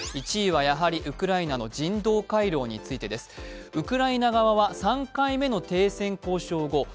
１位はウクライナの人道回廊についてです。ウクライナ側は３回目の停戦交渉後